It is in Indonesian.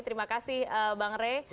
terima kasih bang rey